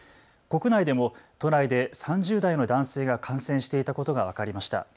国内でも都内で３０代の男性が感染していたことが分かりました。